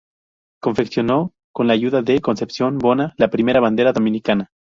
Confeccionó con la ayuda de Concepción Bona la primera bandera dominicana.